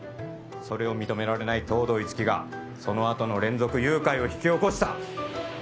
それを認められない東堂樹生がそのあとの連続誘拐を引き起こした！